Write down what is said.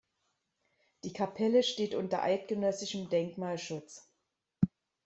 Die Kapelle steht unter eidgenössischem Denkmalschutz.